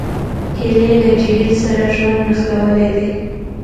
هیلۍ له جهیل سره ژوند نښلولی دی